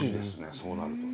そうなるとね。